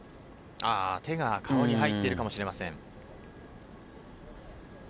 手が顔に入っているかもしれません。